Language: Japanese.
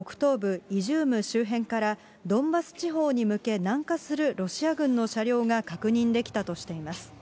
最新の５日の画像では、現在、激しい戦闘が続く、北東部イジューム周辺からドンバス地方に向け、南下するロシア軍の車両が確認できたとしています。